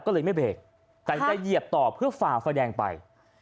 ก็เลยไม่เบรกแต่จะเหยียบต่อเพื่อฝ่าไฟแดงไป